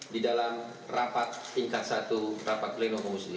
di dalam rapat tingkat satu rapat pleno komisi